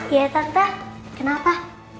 iya tante kenapa